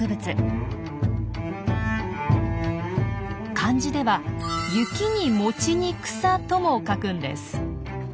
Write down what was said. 漢字では「雪」に「餅」に「草」とも書くんです。